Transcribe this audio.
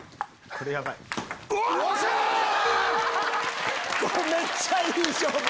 これめっちゃいい勝負。